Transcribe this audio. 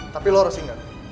tapi lu harus ingat